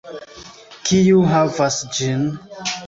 Kiu havas ĝin!